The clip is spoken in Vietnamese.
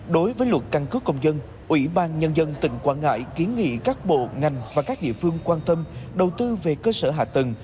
đối với luật căn cướp công dân ubnd tỉnh quảng ngãi kiến nghị các bộ ngành và các địa phương quan tâm đầu tư về cơ sở hạ tầng